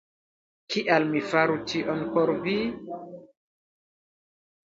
Kial mi faru tion por vi?